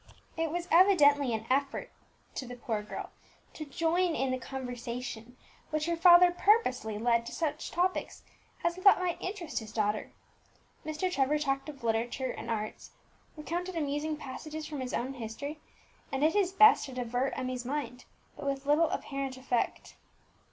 It was evidently an effort to the poor girl to join in the conversation, which her father purposely led to such topics as he thought might interest his daughter. Mr. Trevor talked of literature and arts, recounted amusing passages from his own history, and did his best to divert Emmie's mind, but with little apparent effect.